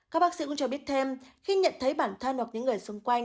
các bác sĩ cũng cho biết thêm khi nhận thấy bản thân hoặc những người xung quanh